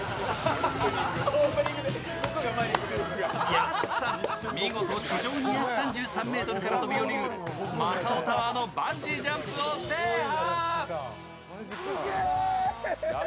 屋敷さん、見事地上２３３ｍから飛び降りるマカオタワーのバンジージャンプを制覇。